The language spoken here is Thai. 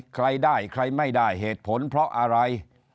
ใครได้ใครไม่ได้เหตุผลเพราะอะไร